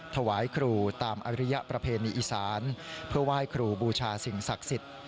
ถวายครูตามอริยประเพณีอีสานเพื่อไหว้ครูบูชาสิ่งศักดิ์สิทธิ์